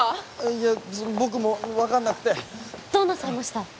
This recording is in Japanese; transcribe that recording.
いや僕もわかんなくてどうなさいました？